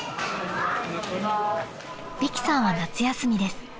［美熹さんは夏休みです］